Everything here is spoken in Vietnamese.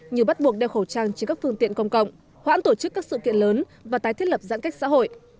như bắt buộc đeo khẩu trang trên các phương tiện công cộng hoãn tổ chức các sự kiện lớn và tái thiết lập giãn cách xã hội